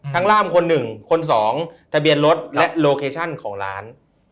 ร่ามคนหนึ่งคนสองทะเบียนรถและโลเคชั่นของร้าน